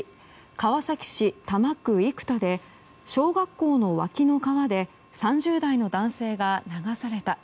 川崎市多摩区生田で小学校の脇の川で３０代の男性が流された。